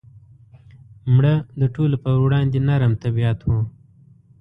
مړه د ټولو پر وړاندې نرم طبیعت وه